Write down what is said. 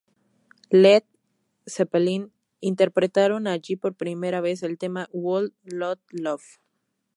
Led Zeppelin interpretaron allí por primera vez el tema "Whole Lotta Love".